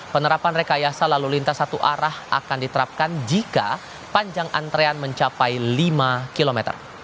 penerapan rekayasa lalu lintas satu arah akan diterapkan jika panjang antrean mencapai lima km